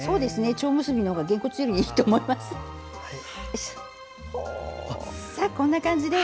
蝶結びのほうがげんこつよりいいと思います。